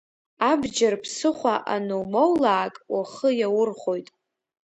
Абџьар ԥсыхәа анумоулаак ухы иаурхәоит.